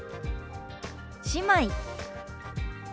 「姉妹」。